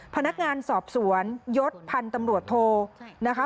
พนักงานสอบสวนยศพันธ์ตำรวจโทนะคะ